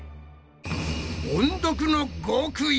音読の極意！